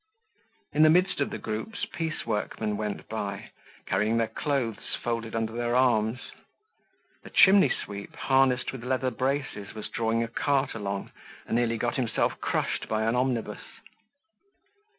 In the midst of the groups, piece workmen went by, carrying their clothes folded under their arms. A chimney sweep, harnessed with leather braces, was drawing a cart along, and nearly got himself crushed by an omnibus.